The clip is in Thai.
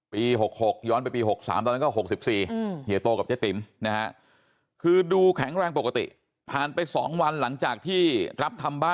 ปี๖๖ย้อนไปปี๖๓ตอนนั้นก็๖๔เฮียโตกับเจ้าติ๋มนะฮะ